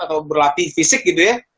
atau berlatih fisik gitu ya